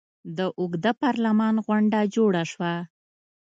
د اوږده پارلمان غونډه جوړه شوه.